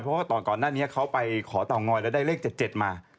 เพราะว่าก่อนหน้านี้เขาไปขอเตางอยแล้วได้เลข๗๗มา